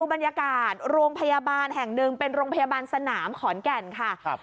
บรรยากาศโรงพยาบาลแห่งหนึ่งเป็นโรงพยาบาลสนามขอนแก่นค่ะครับ